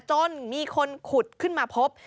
จนมีคนขุดขึ้นมาพบ